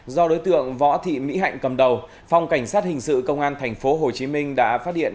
do đối tượng võ thị mỹ hạnh cầm đầu phòng cảnh sát hình sự công an tp hcm đã phát hiện